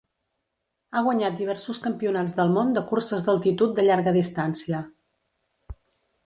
Ha guanyat diversos Campionats del Món de curses d'altitud de llarga distància.